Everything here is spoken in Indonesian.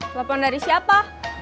telepon dari siapa